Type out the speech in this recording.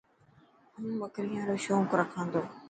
مون ٻڪريان رو شونق رکا تو.